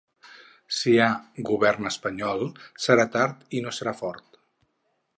Si hi ha govern espanyol serà tard i no serà fort